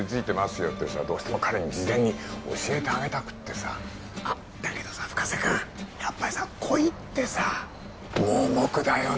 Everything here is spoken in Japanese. よってどうしても彼に事前に教えたくてあッだけどさ深瀬君やっぱりさ恋ってさ盲目だよね